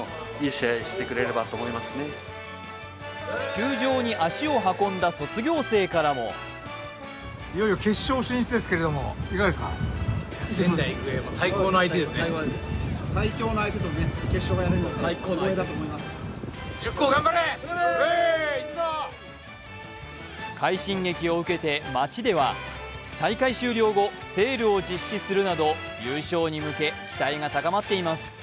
球場に足を運んだ卒業生からも快進撃を受けて街では大会終了後セールを実施するなど優勝に向け期待が高まっています。